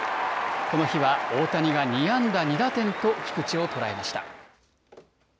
この日は大谷が２安打２打点と菊池を捉えました。